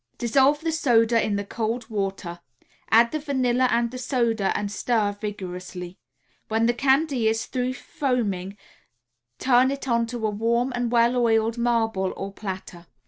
Dissolve the soda in the cold water, add the vanilla and the soda and stir vigorously. When the candy is through foaming, turn it onto a warm and well oiled marble or platter.